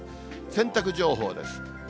洗濯情報です。